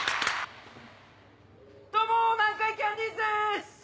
どうも南海キャンディーズです！